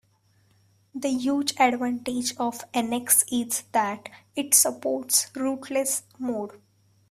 The huge advantage of NX is that it supports "rootless" mode.